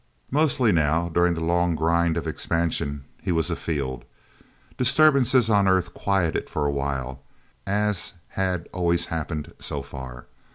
Mostly, now, during the long grind of expansion, he was afield. Disturbances on Earth quieted for a while, as had always happened, so far.